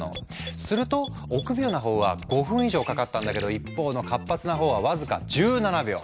すると臆病な方は５分以上かかったんだけど一方の活発な方は僅か１７秒。